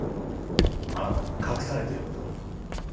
あなたが隠されている事を。